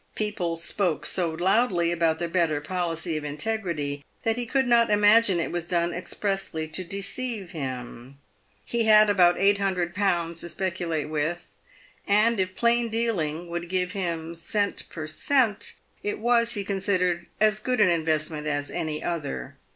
People spoke so loudly about the better policy of integrity that he could not imagine it was done expressly to deceive him. He had about 800Z. to speculate with, and if plain dealing would give him cent, per cent., it was, he considered, as good an investment as any other.